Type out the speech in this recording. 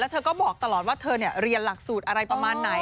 เธอก็บอกตลอดว่าเธอเรียนหลักสูตรอะไรประมาณไหน